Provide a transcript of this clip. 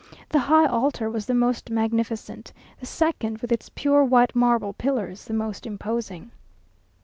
The high altar was the most magnificent; the second, with its pure white marble pillars, the most imposing.